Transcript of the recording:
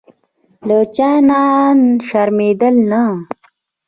له چا نه شرمېدل نه.